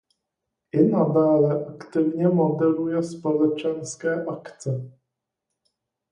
I nadále aktivně moderuje společenské akce.